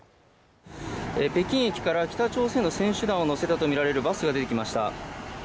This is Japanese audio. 北京駅から北朝鮮の選手団を乗せたと見られるバスが出てきました